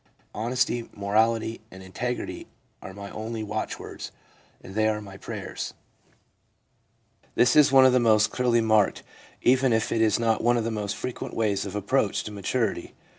Honesty, morality and integrity are my only watchwords, and they are my prayers/ This is one of the most clearly marked even if it is not one of the most frequent ways of approach to maturity.